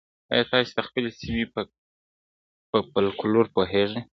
ایا تاسي د خپلې سیمې په فولکلور پوهېږئ؟